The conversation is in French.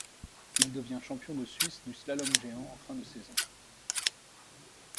Il devient champion de Suisse du slalom géant en fin de saison.